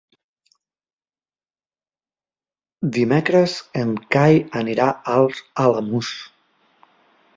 Dimecres en Cai anirà als Alamús.